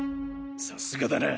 さすがだな。